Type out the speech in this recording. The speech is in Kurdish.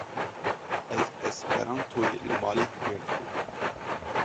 Ez esperantoyî li malê fêr dibim.